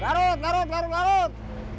tarut tarut tarut tarut